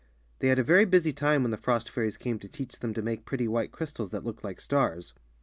They had a very busy time when the frost fairies came to teach them to make pretty white crystals that looked like stars.